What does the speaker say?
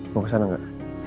mau kesana gak